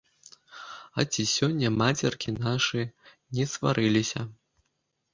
А ці сёння мацеркі нашы не сварыліся?